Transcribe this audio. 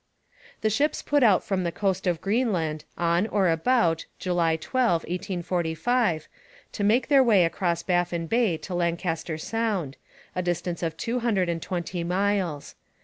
The ships put out from the coast of Greenland on, or about, July 12, 1845, to make their way across Baffin Bay to Lancaster Sound, a distance of two hundred and twenty miles.